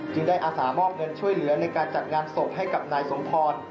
ได้อาสามอบเงินช่วยเหลือในการจัดงานศพให้กับนายสมพร